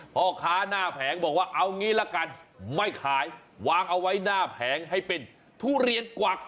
พ่อค้าหน้าแผงบอกว่าเอางี้ละกันไม่ขายวางเอาไว้หน้าแผงให้เป็นทุเรียนกวัก